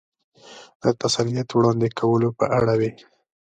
د تسلیت وړاندې کولو په اړه وې.